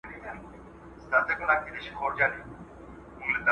هغه د ټولنې په اصلاحاتو کې د خلکو همکاري غوښتله.